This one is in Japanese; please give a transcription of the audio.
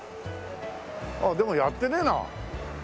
あっでもやってねえな。